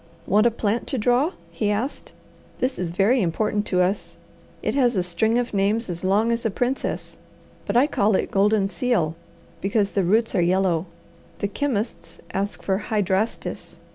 "Want a plant to draw?" he asked. "This is very important to us. It has a string of names as long as a princess, but I call it goldenseal, because the roots are yellow. The chemists ask for hydrastis.